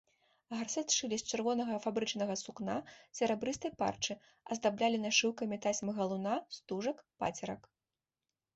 Гарсэт шылі з чырвонага фабрычнага сукна, з серабрыстай парчы, аздаблялі нашыўкамі тасьмы-галуна, стужак, пацерак.